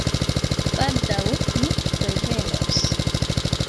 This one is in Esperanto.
Baldaŭ mi revenos.